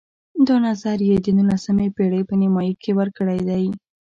دا نظر یې د نولسمې پېړۍ په نیمایي کې ورکړی دی.